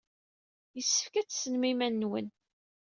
Yessefk ad tessnem iman-nwen.